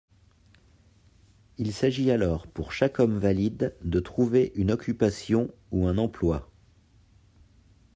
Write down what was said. Il s'agit alors pour chaque homme valide de trouver une occupation ou un emploi.